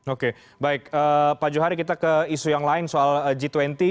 oke baik pak johari kita ke isu yang lain soal g dua puluh